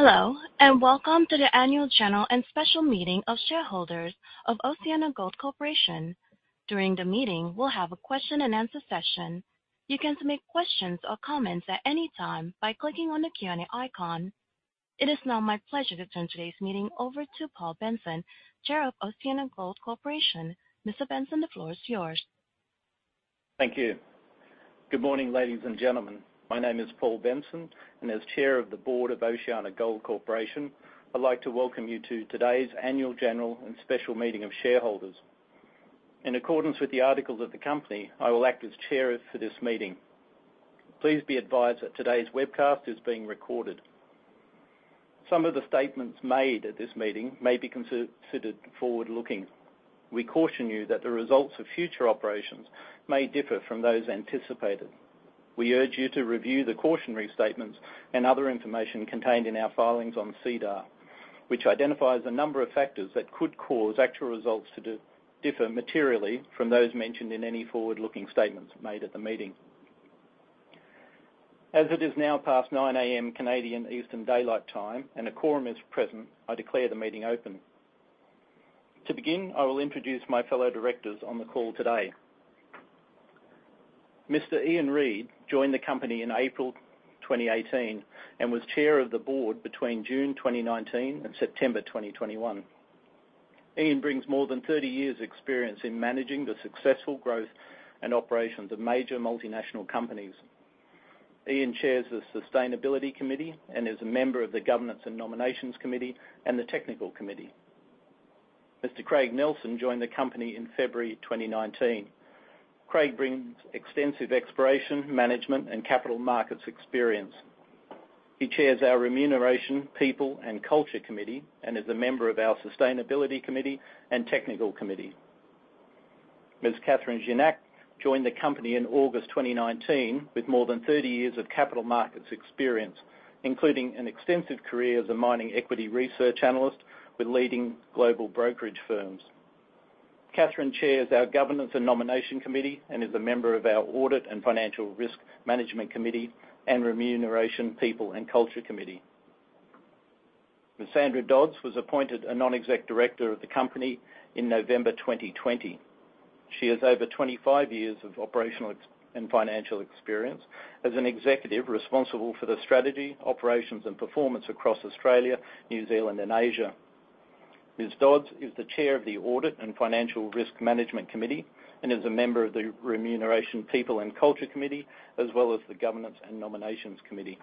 Hello, welcome to the Annual General and Special Meeting of Shareholders of OceanaGold Corporation. During the meeting, we'll have a question-and-answer session. You can submit questions or comments at any time by clicking on the Q&A icon. It is now my pleasure to turn today's meeting over to Paul Benson, Chair of OceanaGold Corporation. Mr. Benson, the floor is yours. Thank you. Good morning, ladies and gentlemen. My name is Paul Benson, and as Chair of the Board of OceanaGold Corporation, I'd like to welcome you to today's Annual General and Special Meeting of Shareholders. In accordance with the articles of the company, I will act as chair for this meeting. Please be advised that today's webcast is being recorded. Some of the statements made at this meeting may be considered forward-looking. We caution you that the results of future operations may differ from those anticipated. We urge you to review the cautionary statements and other information contained in our filings on SEDAR, which identifies a number of factors that could cause actual results to differ materially from those mentioned in any forward-looking statements made at the meeting. As it is now past 9:00 A.M., Canadian Eastern Daylight Time, and a quorum is present, I declare the meeting open. To begin, I will introduce my fellow directors on the call today. Mr. Ian Reid joined the company in April 2018, and was Chair of the Board between June 2019 and September 2021. Ian brings more than 30 years experience in managing the successful growth and operations of major multinational companies. Ian Chairs the Sustainability Committee and is a member of the Governance and Nominations Committee and the Technical Committee. Mr. Craig Nelsen joined the company in February 2019. Craig brings extensive exploration, management and capital markets experience. He Chairs our Remuneration, People and Culture Committee, and is a member of our Sustainability Committee and Technical Committee. Ms. Catherine Gignac joined the company in August 2019, with more than 30 years of capital markets experience, including an extensive career as a mining equity research analyst with leading global brokerage firms. Catherine Chairs our Governance and Nominations Committee, and is a member of our Audit and Financial Risk Management Committee, and Remuneration, People and Culture Committee. Ms. Sandra Dodds was appointed a Non-Executive Director of the company in November 2020. She has over 25 years of operational and financial experience as an executive responsible for the strategy, operations, and performance across Australia, New Zealand, and Asia. Ms. Dodds is the Chair of the Audit and Financial Risk Management Committee, and is a member of the Remuneration, People and Culture Committee, as well as the Governance and Nominations Committee.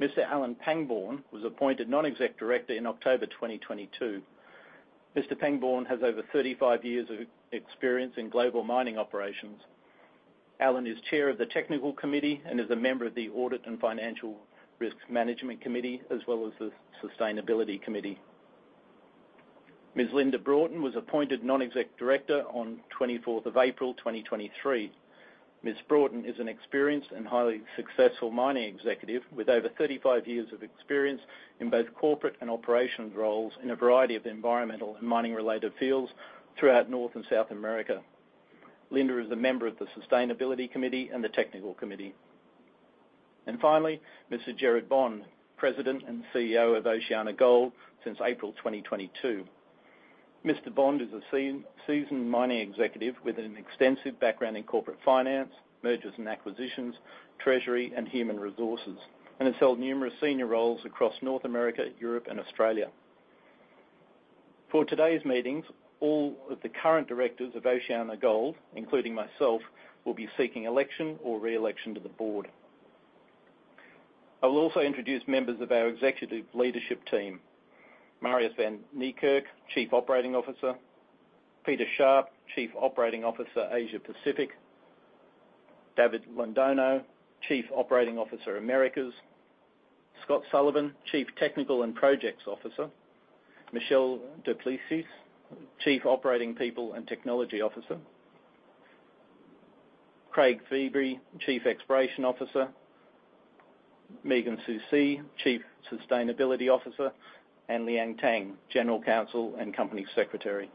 Mr. Alan Pangbourne was appointed Non-Executive Director in October 2022. Mr. Pangbourne has over 35 years of experience in global mining operations. Alan is Chair of the Technical Committee and is a member of the Audit and Financial Risk Management Committee, as well as the Sustainability Committee. Ms. Linda Broughton was appointed Non-Executive Director on 24th of April, 2023. Ms. Broughton is an experienced and highly successful mining executive with over 35 years of experience in both corporate and operations roles in a variety of environmental and mining-related fields throughout North and South America. Linda is a member of the Sustainability Committee and the Technical Committee. Mr. Gerard Bond, President and CEO of OceanaGold since April 2022. Mr. Bond is a seasoned mining executive with an extensive background in corporate finance, mergers and acquisitions, treasury and human resources, and has held numerous senior roles across North America, Europe and Australia. For today's meetings, all of the current directors of OceanaGold, including myself, will be seeking election or re-election to the board. I will also introduce members of our executive leadership team. Marius van Niekerk, Chief Operating Officer. Peter Sharpe, Chief Operating Officer, Asia Pacific. David Londono, Chief Operating Officer, Americas. Scott Sullivan, Chief Technical and Projects Officer. Michelle Du Plessis, Chief Operating People and Technology Officer. Craig Feebrey, Chief Exploration Officer. Megan Saussey, Chief Sustainability Officer, and Liang Tang, General Counsel and Company Secretary.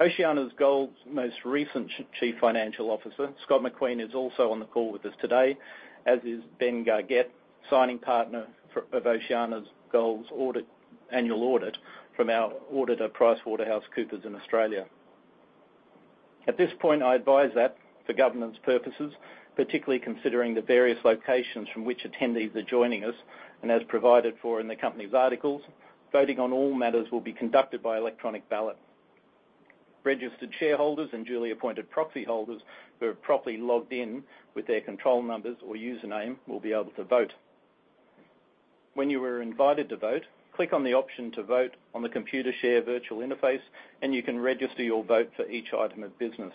OceanaGold's most recent Chief Financial Officer, Scott McQueen, is also on the call with us today, as is Ben Gargett, signing partner of OceanaGold's audit, annual audit from our auditor, PricewaterhouseCoopers in Australia. At this point, I advise that for governance purposes, particularly considering the various locations from which attendees are joining us, and as provided for in the company's articles, voting on all matters will be conducted by electronic ballot. Registered shareholders and duly appointed proxy holders who have properly logged in with their control numbers or username will be able to vote. When you are invited to vote, click on the option to vote on the Computershare virtual interface, and you can register your vote for each item of business.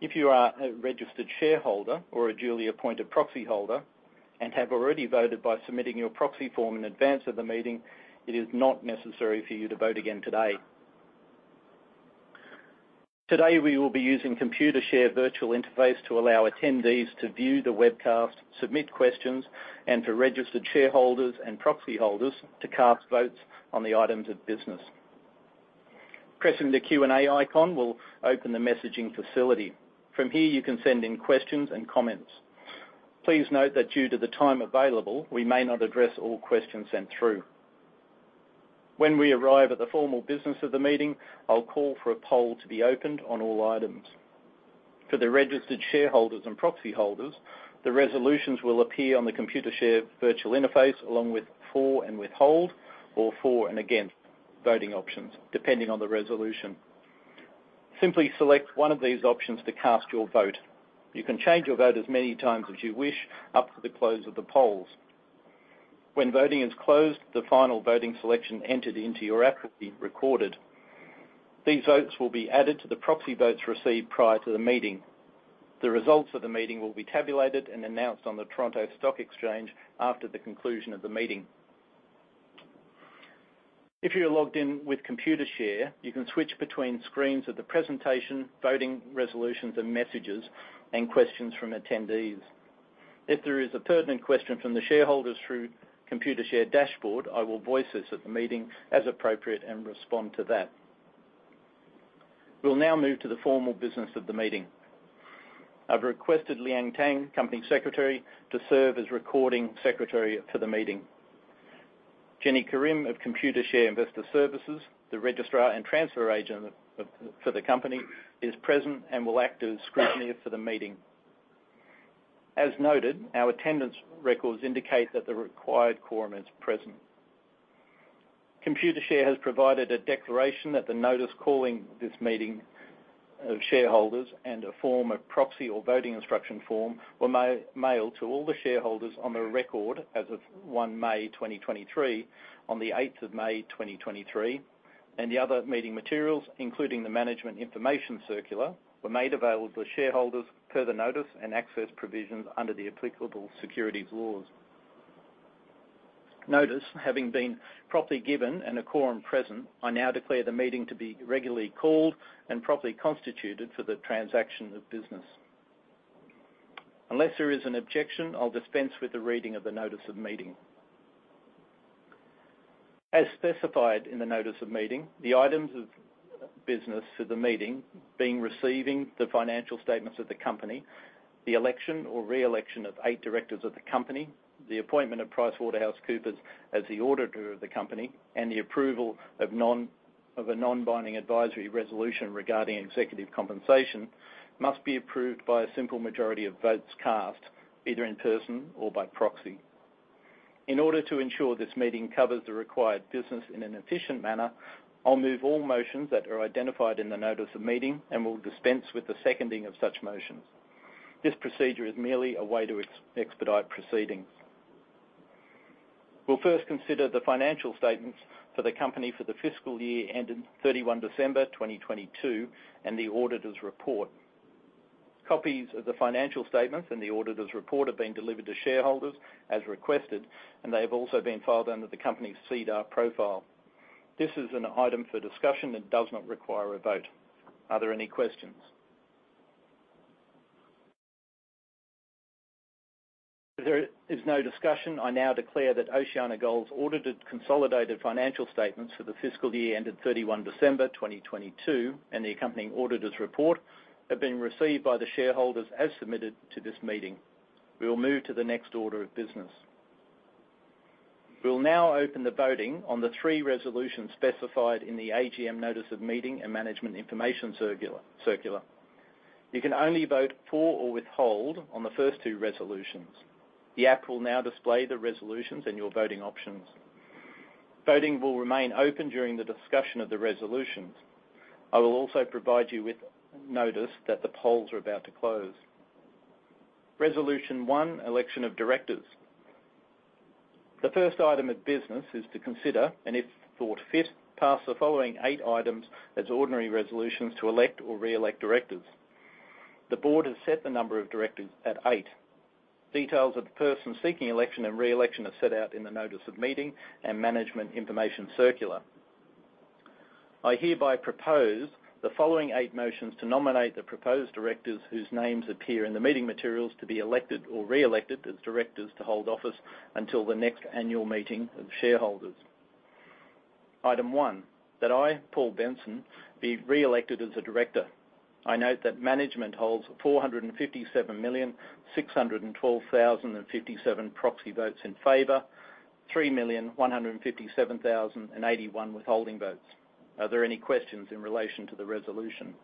If you are a registered shareholder or a duly appointed proxy holder and have already voted by submitting your proxy form in advance of the meeting, it is not necessary for you to vote again today. Today, we will be using Computershare virtual interface to allow attendees to view the webcast, submit questions, and for registered shareholders and proxy holders to cast votes on the items of business. Pressing the Q&A icon will open the messaging facility. From here, you can send in questions and comments. Please note that due to the time available, we may not address all questions sent through. When we arrive at the formal business of the meeting, I'll call for a poll to be opened on all items. For the registered shareholders and proxy holders, the resolutions will appear on the Computershare virtual interface, along with for and withhold or for and against voting options, depending on the resolution. Simply select one of these options to cast your vote. You can change your vote as many times as you wish up to the close of the polls. When voting is closed, the final voting selection entered into your app will be recorded. These votes will be added to the proxy votes received prior to the meeting. The results of the meeting will be tabulated and announced on the Toronto Stock Exchange after the conclusion of the meeting. If you're logged in with Computershare, you can switch between screens of the presentation, voting resolutions, and messages, and questions from attendees. If there is a pertinent question from the shareholders through Computershare dashboard, I will voice this at the meeting as appropriate and respond to that. We'll now move to the formal business of the meeting. I've requested Liang Tang, Company Secretary, to serve as Recording Secretary for the meeting. Jenny Karim of Computershare Investor Services, the registrar and transfer agent for the company, is present and will act as scrutineer for the meeting. As noted, our attendance records indicate that the required quorum is present. Computershare has provided a declaration that the notice calling this meeting of shareholders and a form of proxy or voting instruction form were mailed to all the shareholders on the record as of 1 May 2023, on 8th of May 2023. The other meeting materials, including the management information circular, were made available to shareholders per the notice and access provisions under the applicable securities laws. Notice having been properly given and a quorum present, I now declare the meeting to be regularly called and properly constituted for the transaction of business. Unless there is an objection, I'll dispense with the reading of the notice of meeting. As specified in the notice of meeting, the items of business for the meeting, being receiving the financial statements of the company, the election or re-election of eight directors of the company, the appointment of PricewaterhouseCoopers as the auditor of the company, and the approval of a non-binding advisory resolution regarding executive compensation, must be approved by a simple majority of votes cast, either in person or by proxy. In order to ensure this meeting covers the required business in an efficient manner, I'll move all motions that are identified in the notice of meeting and will dispense with the seconding of such motions. This procedure is merely a way to expedite proceedings. We'll first consider the financial statements for the company for the fiscal year ended 31 December 2022, and the auditor's report. Copies of the financial statements and the auditor's report have been delivered to shareholders as requested. They have also been filed under the company's SEDAR profile. This is an item for discussion and does not require a vote. Are there any questions? If there is no discussion, I now declare that OceanaGold's audited consolidated financial statements for the fiscal year ended December 31, 2022, and the accompanying auditor's report, have been received by the shareholders as submitted to this meeting. We will move to the next order of business. We will now open the voting on the three resolutions specified in the AGM notice of meeting and management information circular. You can only vote for or withhold on the first two resolutions. The app will now display the resolutions and your voting options. Voting will remain open during the discussion of the resolutions. I will also provide you with notice that the polls are about to close. Resolution one: election of directors. The first item of business is to consider, and if thought fit, pass the following eight items as ordinary resolutions to elect or re-elect directors. The board has set the number of directors at eight. Details of the persons seeking election and re-election are set out in the notice of meeting and management information circular. I hereby propose the following eight motions to nominate the proposed directors, whose names appear in the meeting materials, to be elected or re-elected as directors to hold office until the next annual meeting of shareholders. Item one, that I, Paul Benson, be re-elected as a director. I note that management holds 457,612,057 proxy votes in favor, 3,157,081 withholding votes. Are there any questions in relation to the resolution?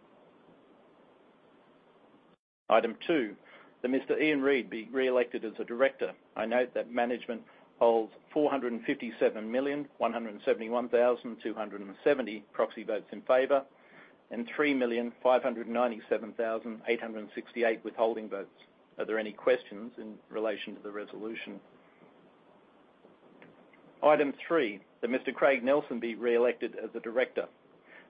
Item two, that Mr. Ian Reid be re-elected as a director. I note that management holds 457,171,270 proxy votes in favor, 3,597,868 withholding votes. Are there any questions in relation to the resolution? Item three, that Mr. Craig Nelsen be re-elected as a director.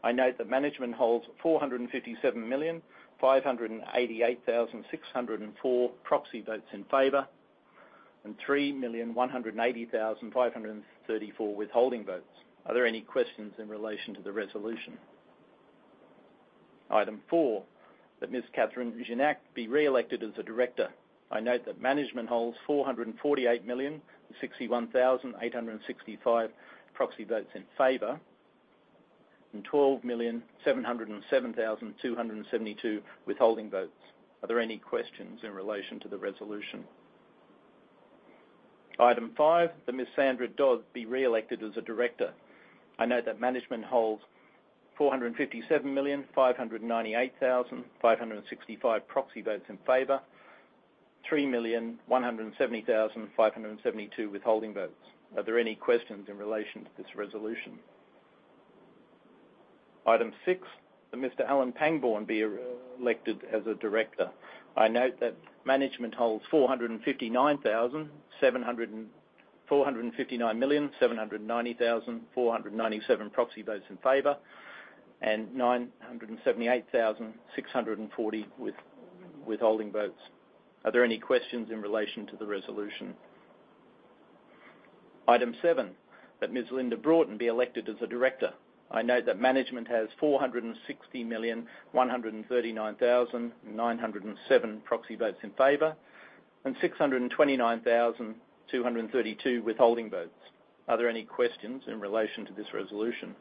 I note that management holds 457,588,604 proxy votes in favor, 3,180,534 withholding votes. Are there any questions in relation to the resolution? Item four, that Ms. Catherine Gignac be reelected as a director. I note that management holds 448,061,865 proxy votes in favor, and 12,707,272 withholding votes. Are there any questions in relation to the resolution? Item five, that Ms. Sandra Dodds be reelected as a director. I note that management holds 457,598,565 proxy votes in favor, 3,170,572 withholding votes. Are there any questions in relation to this resolution? Item six, that Mr. Alan Pangbourne be elected as a director. I note that management holds 459,790,497 proxy votes in favor, and 978,640 with withholding votes. Are there any questions in relation to the resolution? Item seven, that Ms. Linda Broughton be elected as a director. I note that management has 460,139,907 proxy votes in favor, and 629,232 withholding votes. Are there any questions in relation to this resolution?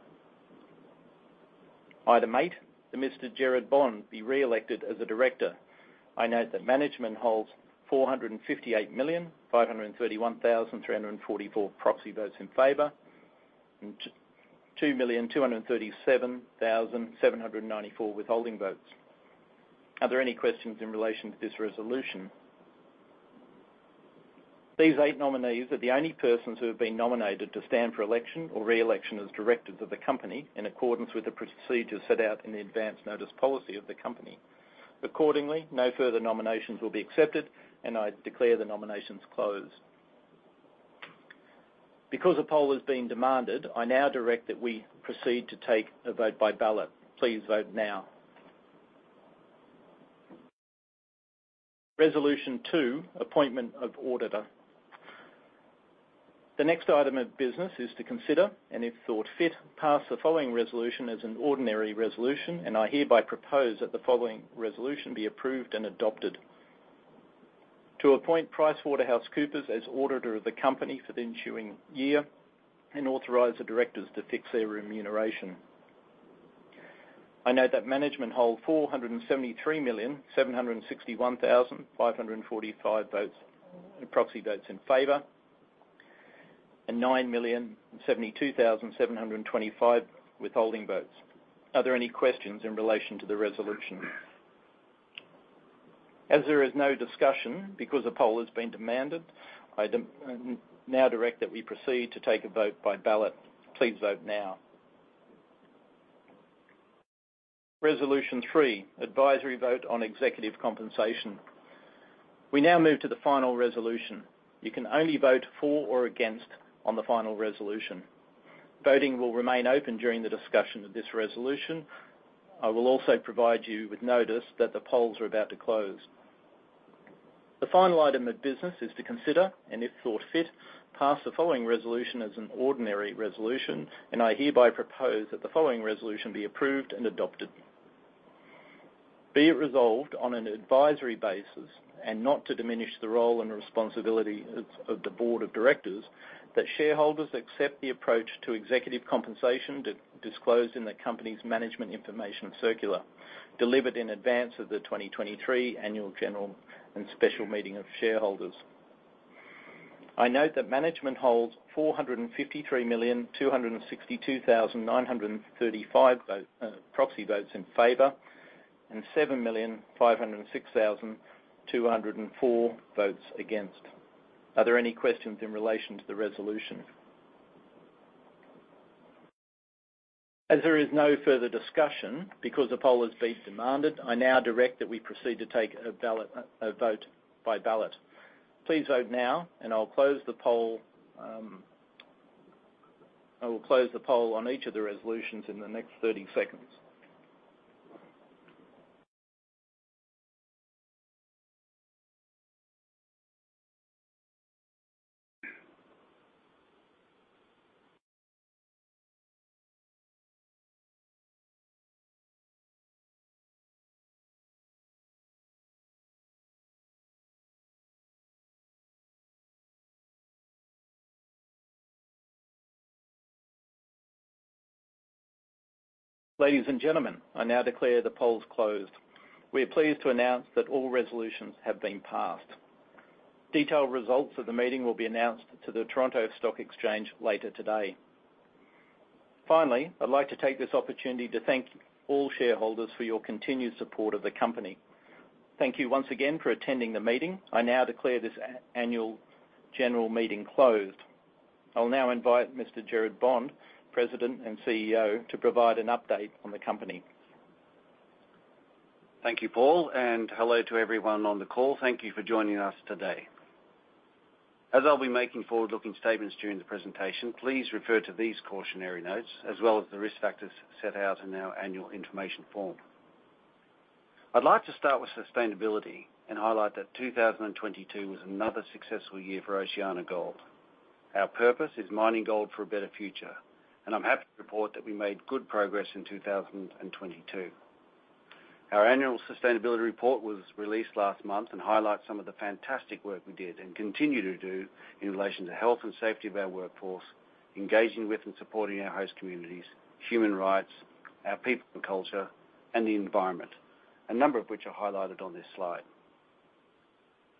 Item eight, that Mr. Gerard Bond be reelected as a director. I note that management holds 458,531,344 proxy votes in favor, and 2,237,794 withholding votes. Are there any questions in relation to this resolution? These eight nominees are the only persons who have been nominated to stand for election or reelection as directors of the company, in accordance with the procedures set out in the Advance Notice Policy of the company. Accordingly, no further nominations will be accepted, and I declare the nominations closed. Because a poll has been demanded, I now direct that we proceed to take a vote by ballot. Please vote now. Resolution two, appointment of auditor. The next item of business is to consider, and if thought fit, pass the following resolution as an ordinary resolution. I hereby propose that the following resolution be approved and adopted. To appoint PricewaterhouseCoopers as auditor of the company for the ensuing year and authorize the directors to fix their remuneration. I note that management hold 473,761,545 votes- proxy votes in favor, and 9,072,725 withholding votes. Are there any questions in relation to the resolution? As there is no discussion, because a poll has been demanded, I now direct that we proceed to take a vote by ballot. Please vote now. Resolution three, advisory vote on executive compensation. We now move to the final resolution. You can only vote for or against on the final resolution. Voting will remain open during the discussion of this resolution. I will also provide you with notice that the polls are about to close. The final item of business is to consider, and if thought fit, pass the following resolution as an ordinary resolution. I hereby propose that the following resolution be approved and adopted. Be it resolved on an advisory basis, not to diminish the role and responsibility of the board of directors, that shareholders accept the approach to executive compensation disclosed in the company's management information circular, delivered in advance of the 2023 annual general and special meeting of shareholders. I note that management holds 453,262,935 proxy votes in favor, and 7,506,204 votes against. Are there any questions in relation to the resolution? As there is no further discussion, because the poll has been demanded, I now direct that we proceed to take a ballot, a vote by ballot. Please vote now, and I will close the poll on each of the resolutions in the next 30 seconds. Ladies and gentlemen, I now declare the polls closed. We are pleased to announce that all resolutions have been passed. Detailed results of the meeting will be announced to the Toronto Stock Exchange later today. Finally, I'd like to take this opportunity to thank all shareholders for your continued support of the company. Thank you once again for attending the meeting. I now declare this annual general meeting closed. I'll now invite Mr. Gerard Bond, President and CEO, to provide an update on the company. Thank you, Paul, and hello to everyone on the call. Thank you for joining us today. As I'll be making forward-looking statements during the presentation, please refer to these cautionary notes, as well as the risk factors set out in our annual information form. I'd like to start with sustainability and highlight that 2022 was another successful year for OceanaGold. Our purpose is mining gold for a better future, and I'm happy to report that we made good progress in 2022. Our annual sustainability report was released last month and highlights some of the fantastic work we did and continue to do in relation to health and safety of our workforce, engaging with and supporting our host communities, human rights, our people and culture, and the environment, a number of which are highlighted on this slide.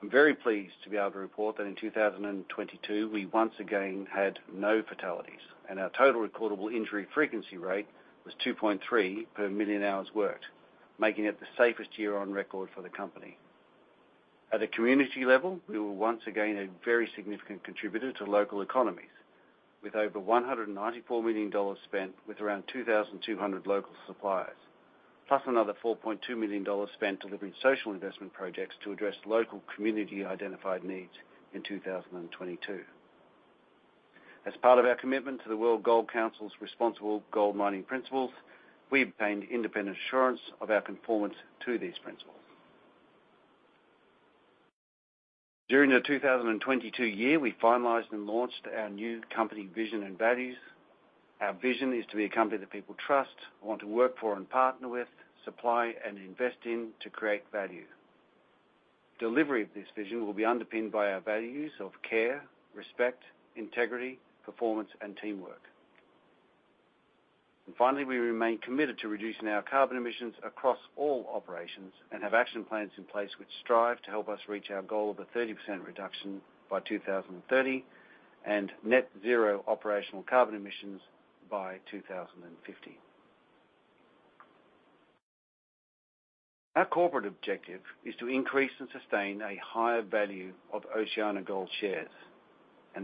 I'm very pleased to be able to report that in 2022, we once again had no fatalities, and our total recordable injury frequency rate was 2.3 per million hours worked, making it the safest year on record for the company. At a community level, we were once again a very significant contributor to local economies, with over $194 million spent with around 2,200 local suppliers, plus another $4.2 million spent delivering social investment projects to address local community-identified needs in 2022. As part of our commitment to the World Gold Council's Responsible Gold Mining Principles, we obtained independent assurance of our conformance to these principles. During the 2022 year, we finalized and launched our new company vision and values. Our vision is to be a company that people trust, want to work for and partner with, supply, and invest in to create value. Delivery of this vision will be underpinned by our values of care, respect, integrity, performance, and teamwork. Finally, we remain committed to reducing our carbon emissions across all operations and have action plans in place, which strive to help us reach our goal of a 30% reduction by 2030, and net zero operational carbon emissions by 2050. Our corporate objective is to increase and sustain a higher value of OceanaGold shares.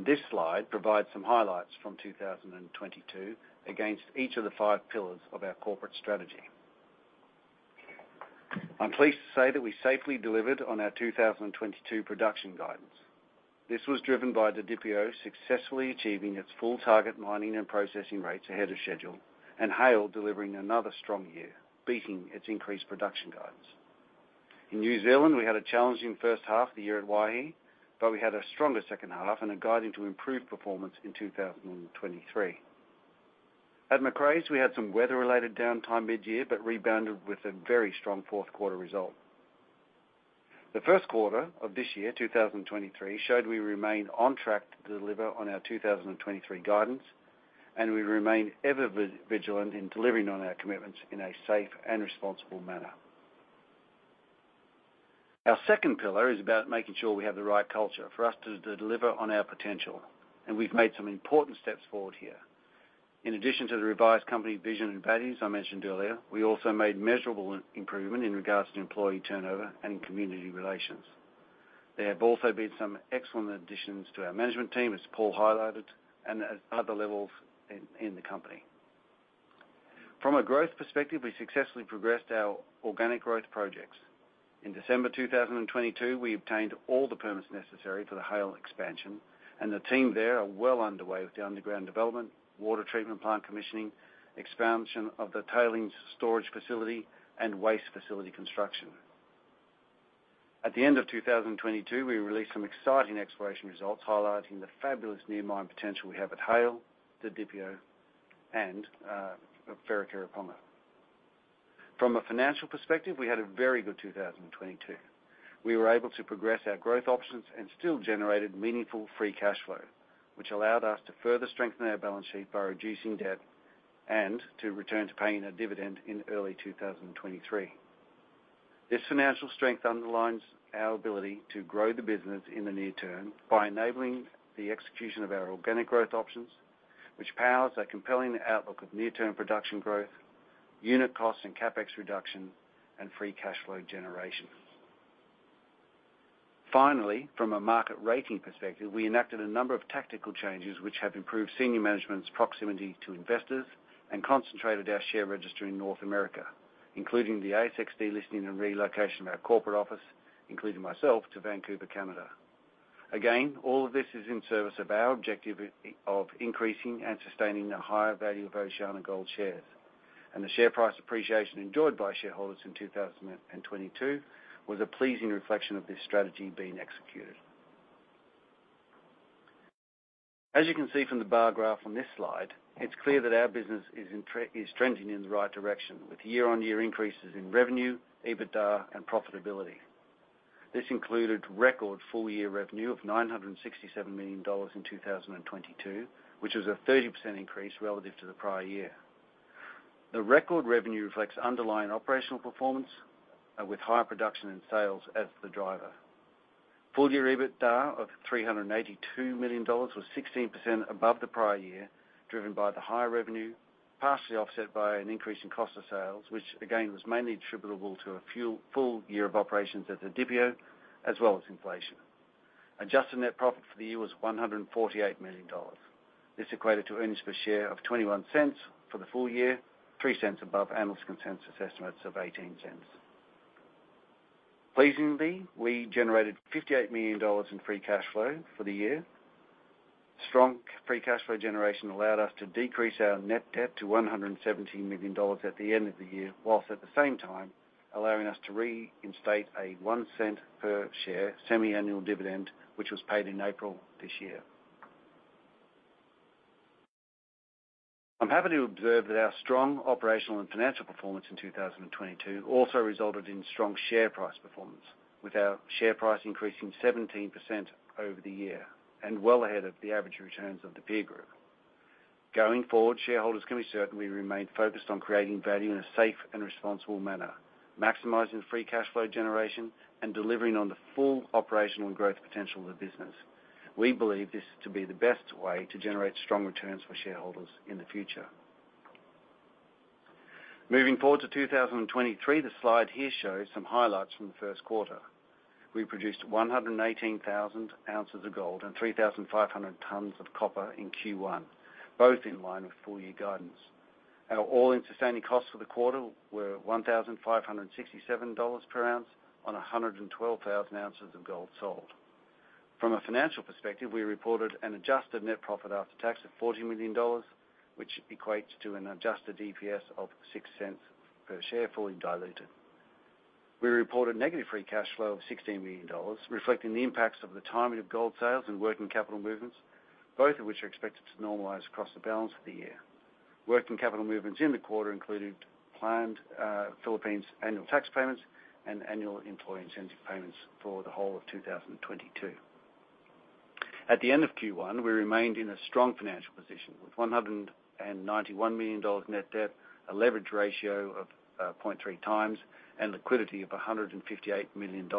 This slide provides some highlights from 2022 against each of the five pillars of our corporate strategy. I'm pleased to say that we safely delivered on our 2022 production guidance. This was driven by the DPO successfully achieving its full target mining and processing rates ahead of schedule, and Haile delivering another strong year, beating its increased production guidance. In New Zealand, we had a challenging first half of the year at Waihi, but we had a stronger second half and are guiding to improve performance in 2023. At Macraes, we had some weather-related downtime mid-year, but rebounded with a very strong fourth quarter result. The first quarter of this year, 2023, showed we remain on track to deliver on our 2023 guidance, and we remain ever vigilant in delivering on our commitments in a safe and responsible manner. Our second pillar is about making sure we have the right culture for us to deliver on our potential, and we've made some important steps forward here. In addition to the revised company vision and values I mentioned earlier, we also made measurable improvement in regards to employee turnover and community relations. There have also been some excellent additions to our management team, as Paul highlighted, and at other levels in the company. From a growth perspective, we successfully progressed our organic growth projects. In December 2022, we obtained all the permits necessary for the Haile expansion, and the team there are well underway with the underground development, water treatment plant commissioning, expansion of the tailings storage facility, and waste facility construction. At the end of 2022, we released some exciting exploration results, highlighting the fabulous near mine potential we have at Haile, the Didipio, and Ferrocarril Poma. From a financial perspective, we had a very good 2022. We were able to progress our growth options and still generated meaningful free cash flow, which allowed us to further strengthen our balance sheet by reducing debt and to return to paying a dividend in early 2023. This financial strength underlines our ability to grow the business in the near term by enabling the execution of our organic growth options, which powers a compelling outlook of near-term production growth, unit costs and CapEx reduction, and free cash flow generation. From a market rating perspective, we enacted a number of tactical changes, which have improved senior management's proximity to investors and concentrated our share registry in North America, including the ASX delisting and relocation of our corporate office, including myself, to Vancouver, Canada. All of this is in service of our objective, of increasing and sustaining the higher value of OceanaGold shares. The share price appreciation enjoyed by shareholders in 2022 was a pleasing reflection of this strategy being executed. As you can see from the bar graph on this slide, it's clear that our business is trending in the right direction, with year-on-year increases in revenue, EBITDA, and profitability. This included record full-year revenue of $967 million in 2022, which was a 30% increase relative to the prior year. The record revenue reflects underlying operational performance, with higher production and sales as the driver. Full-year EBITDA of $382 million was 16% above the prior year, driven by the higher revenue, partially offset by an increase in cost of sales, which again, was mainly attributable to a full year of operations at the Didipio, as well as inflation. Adjusted net profit for the year was $148 million. This equated to earnings per share of $0.21 for the full year, $0.03 above analyst consensus estimates of $0.18. Pleasingly, we generated $58 million in free cash flow for the year. Strong free cash flow generation allowed us to decrease our net debt to $117 million at the end of the year, whilst at the same time, allowing us to reinstate a $0.01 per share semi-annual dividend, which was paid in April this year. I'm happy to observe that our strong operational and financial performance in 2022 also resulted in strong share price performance, with our share price increasing 17% over the year and well ahead of the average returns of the peer group. Going forward, shareholders can be certain we remain focused on creating value in a safe and responsible manner, maximizing free cash flow generation, and delivering on the full operational growth potential of the business. We believe this to be the best way to generate strong returns for shareholders in the future. Moving forward to 2023, the slide here shows some highlights from the first quarter. We produced 118,000 oz of gold and 3,500 tons of copper in Q1, both in line with full-year guidance. Our all-in sustaining costs for the quarter were $1,567 per oz on 112,000 oz of gold sold. From a financial perspective, we reported an adjusted net profit after tax of $40 million, which equates to an adjusted DPS of $0.06 per share, fully diluted. We reported negative free cash flow of $16 million, reflecting the impacts of the timing of gold sales and working capital movements, both of which are expected to normalize across the balance of the year. Working capital movements in the quarter included planned Philippines annual tax payments and annual employee incentive payments for the whole of 2022. At the end of Q1, we remained in a strong financial position, with $191 million net debt, a leverage ratio of 0.3x, and liquidity of $158 million,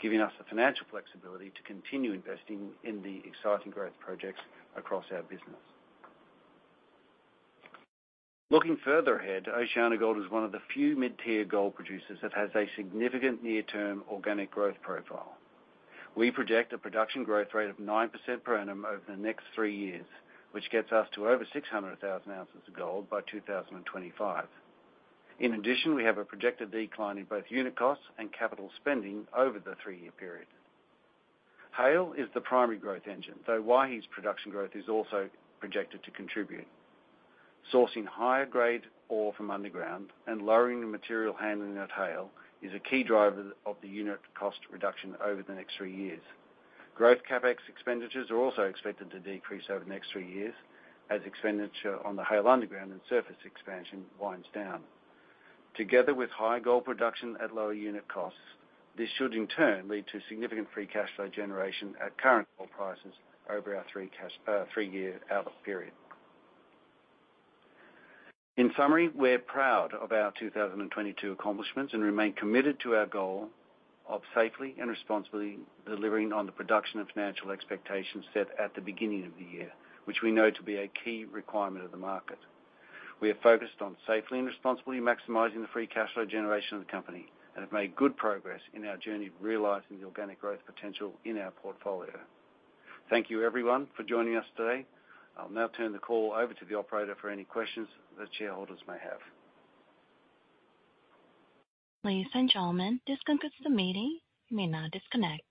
giving us the financial flexibility to continue investing in the exciting growth projects across our business. Looking further ahead, OceanaGold is one of the few mid-tier gold producers that has a significant near-term organic growth profile. We project a production growth rate of 9% per annum over the next three years, which gets us to over 600,000 ounces of gold by 2025. In addition, we have a projected decline in both unit costs and capital spending over the three year period. Haile is the primary growth engine, though Waihi's production growth is also projected to contribute. Sourcing higher-grade ore from underground and lowering the material handling at Haile is a key driver of the unit cost reduction over the next three years. Growth CapEx expenditures are also expected to decrease over the next three years, as expenditure on the Haile underground and surface expansion winds down. Together with higher gold production at lower unit costs, this should in turn lead to significant free cash flow generation at current gold prices over our three year outlook period. In summary, we're proud of our 2022 accomplishments. Remain committed to our goal of safely and responsibly delivering on the production and financial expectations set at the beginning of the year, which we know to be a key requirement of the market. We are focused on safely and responsibly maximizing the free cash flow generation of the company. Have made good progress in our journey of realizing the organic growth potential in our portfolio. Thank you, everyone, for joining us today. I'll now turn the call over to the operator for any questions the shareholders may have. Ladies and gentlemen, this concludes the meeting. You may now disconnect.